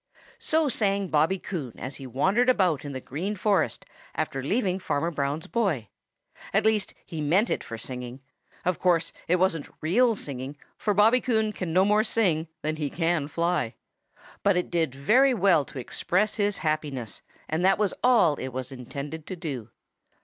|SO sang Bobby Coon as he wandered about in the Green Forest after leaving Farmer Brown's boy. At least, he meant it for singing. Of course, it wasn't real singing, for Bobby Coon can no more sing than he can fly. But it did very well to express his happiness, and that was all it was intended to do.